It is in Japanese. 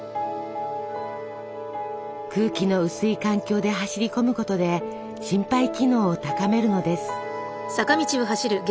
空気の薄い環境で走り込むことで心肺機能を高めるのです。